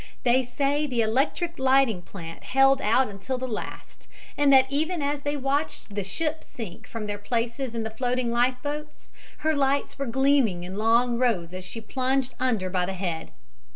They say the electric lighting plant held out until the last, and that even as they watched the ship sink, from their places in the floating life boats, her lights were gleaming in long rows as she plunged under by the head.